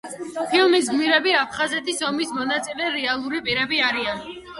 ფილმის გმირები აფხაზეთის ომის მონაწილე რეალური პირები არიან.